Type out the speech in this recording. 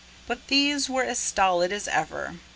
But these were as stolid as ever.